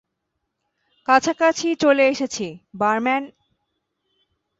কাছাকাছি চলে এসেছি, বারম্যান!